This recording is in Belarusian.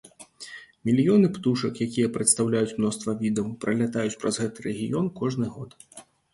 Мільёны птушак, якія прадстаўляюць мноства відаў, пралятаюць праз гэты рэгіён кожны год.